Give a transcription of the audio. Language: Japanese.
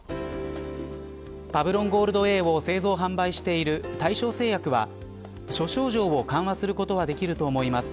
パブロンゴールドＡを製造、販売している大正製薬は諸症状を緩和することはできると思います。